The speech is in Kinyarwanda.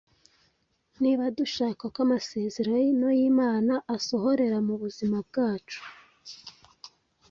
Niba dushaka ko amasezerano y’Imana asohorera mu buzima bwacu,